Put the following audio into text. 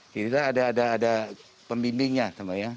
tidak ada pemimpingnya sama ya